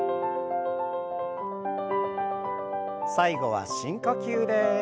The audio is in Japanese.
最後は深呼吸です。